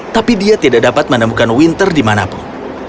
tapi dia tidak dapat menemukan winter dimanapun